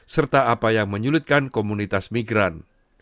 serta apa yang menyulitkan komunitas migran